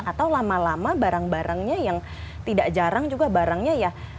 atau lama lama barang barangnya yang tidak jarang juga barangnya ya